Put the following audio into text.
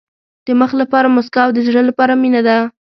د مخ لپاره موسکا او د زړه لپاره مینه ده.